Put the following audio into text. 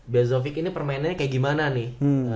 bezovic ini permainannya kayak gimana nih